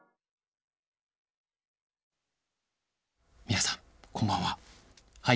皆さんこんばんは。